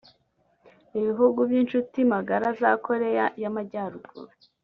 ibihugu by’inshuti magara za Koreya y’Amajyaruguru